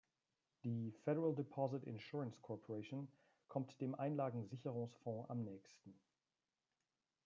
Die Federal Deposit Insurance Corporation kommt dem Einlagensicherungsfonds am nächsten.